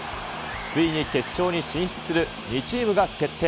ついに決勝に進出する２チームが決定。